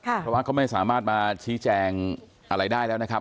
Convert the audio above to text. เพราะว่าเขาไม่สามารถมาชี้แจงอะไรได้แล้วนะครับ